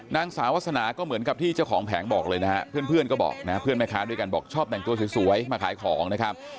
นางสาวาสนาก็เหมือนกับที่เจ้าของแผงบอกเลยนะฮะเพื่อนก็บอกนะเพื่อนแม่ค้าด้วยกันบอกชอบแต่งตัวสวยมาขายของนะครับ